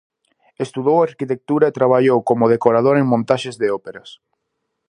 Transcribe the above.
Estudou arquitectura e traballou como decorador en montaxes de óperas.